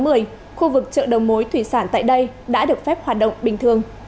mối thủy sản tại đây đã được phép hoạt động bình thường